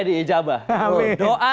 di ijabah amin doa